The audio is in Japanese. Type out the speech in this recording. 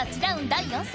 第４戦！